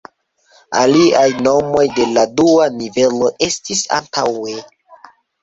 Aliaj nomoj de la dua nivelo estis antaŭe.